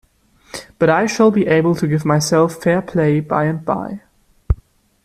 But I shall be able to give myself fair-play by-and-by.